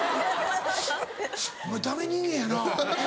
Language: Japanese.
お前ダメ人間やな。